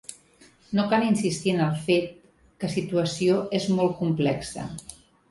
No cal insistir en el fet que situació és molt complexa.